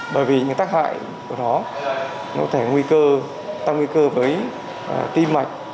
bởi vì những tác hại của nó nó có thể nguy cơ tăng nguy cơ với tim mạch